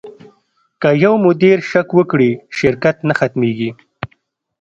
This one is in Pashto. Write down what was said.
که یو مدیر شک وکړي، شرکت نه ختمېږي.